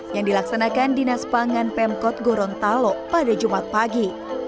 yang dilaksanakan dinas pangan pemkot gorontalo pada jumat pagi